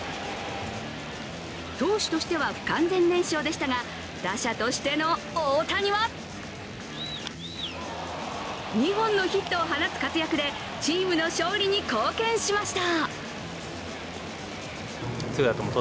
投手としては不完全燃焼でしたが打者としての大谷は２本のヒットを放つ活躍でチームの勝利に貢献しました。